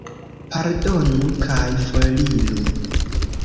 Pardonu kaj foriru.